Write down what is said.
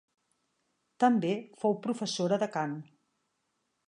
També fou professora de cant.